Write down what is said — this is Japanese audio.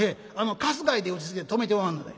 かすがいで打ちつけて止めておまんので」。